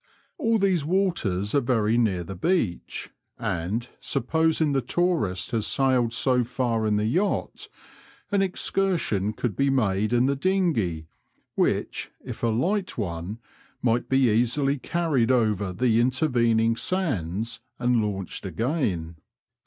All these waters are very near the Beach, and supposing the tourist has sailed so far in the yacht, an excursion could be made in the dinghey, which, if a light one, might be easily carried over the intervening sands and launched again.